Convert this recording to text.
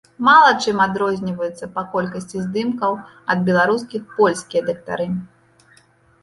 Мала чым адрозніваюцца па колькасці здымкаў ад беларускіх польскія дактары.